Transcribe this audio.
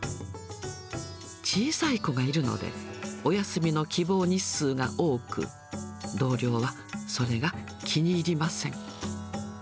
小さい子がいるので、お休みの希望日数が多く、同僚は、それが気に入りません。